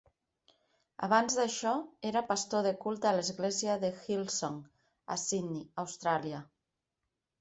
Abans d'això, era pastor de culte a l'església de Hillsong a Sydney, Austràlia.